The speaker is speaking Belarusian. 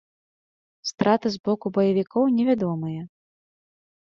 Страты з боку баевікоў невядомыя.